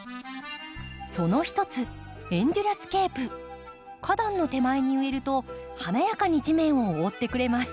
その一つ花壇の手前に植えると華やかに地面を覆ってくれます。